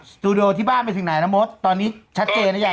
สตูดิโอที่บ้านไปถึงไหนนะมดตอนนี้ชัดเจนนะยาย